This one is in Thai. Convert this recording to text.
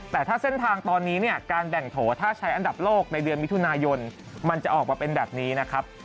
แต่ถ้าเส้นทางตอนนี้เนี่ยการแบ่งโถถ้าใช้อันดับโลกในเดือนมิถุนายนมันจะออกมาเป็นแบบนี้นะครับ